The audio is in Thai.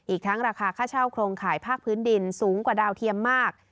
อีกทั้งราคาค่าเช่าโครงข่ายภาคพื้นดินสูงกว่าดาวเทียมมาก